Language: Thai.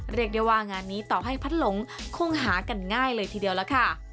เรียกได้ว่างานนี้ต่อให้พัดหลงคงหากันง่ายเลยทีเดียวล่ะค่ะ